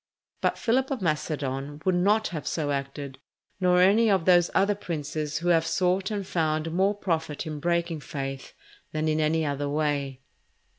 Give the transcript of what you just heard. But Philip of Macedon would not have so acted, nor any of those other princes who have sought and found more profit in breaking faith than in any other way.